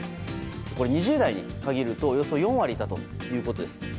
２０代に限るとおよそ４割だということです。